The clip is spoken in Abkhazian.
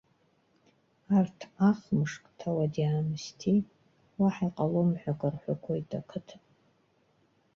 Арҭ ахымшк ҭауади-аамсҭеи уаҳа иҟалом ҳәа акы рҳәақәоит ақыҭан.